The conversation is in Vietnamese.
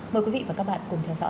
mời quý vị và các bạn cùng theo dõi